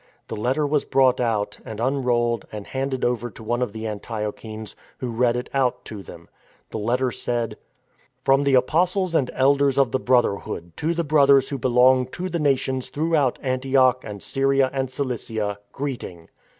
The letter was brought out and un rolled and handed over to one of the Antiochenes, who read it out to them. The letter said :" Fi om the apostles and elders of the Brotherhood, to the brothers who belong to the Nations throughout Antioch and Syria and Cilicia, greeting.